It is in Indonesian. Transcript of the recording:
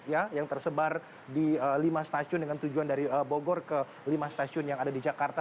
yang tersebar di lima stasiun dengan tujuan dari bogor ke lima stasiun yang ada di jakarta